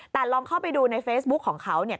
แต่ลองเข้าไปดูในเฟซบุ๊คของเขาเนี่ย